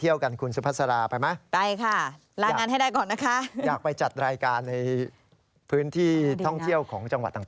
อยากไปจัดรายการในพื้นที่ท่องเที่ยวของจังหวัดต่างเนอะ